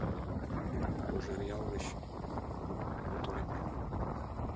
Кожеръял гыч моторемже